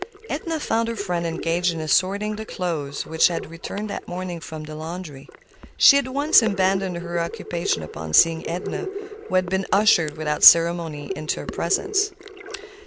Edna found her friend engaged in assorting the clothes which had returned that morning from the laundry. She at once abandoned her occupation upon seeing Edna, who had been ushered without ceremony into her presence.